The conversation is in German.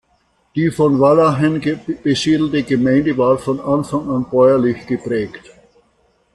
Die von Walachen besiedelte Gemeinde war von Anfang an bäuerlich geprägt.